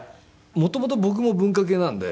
元々僕も文化系なんで。